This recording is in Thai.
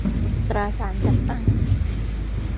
ตราสารจัดตั้ง